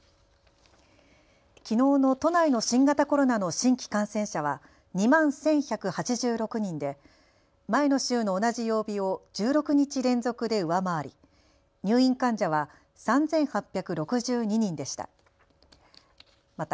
きのうの都内の新型コロナの新規感染者は２万１１８６人で前の週の同じ曜日を１６日連続で上回り入院患者は３８６２人でした。